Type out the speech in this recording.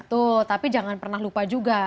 betul tapi jangan pernah lupa juga